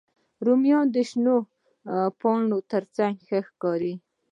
رومیان د شنو پاڼو تر څنګ ښه ښکاري